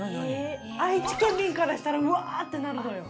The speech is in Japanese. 愛知県民からしたらうわーってなるのよ。